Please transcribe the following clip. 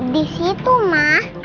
di situ ma